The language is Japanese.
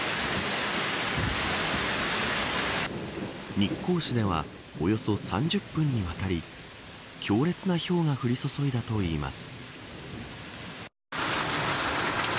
日光市ではおよそ３０分にわたり強烈なひょうが降り注いだといいます。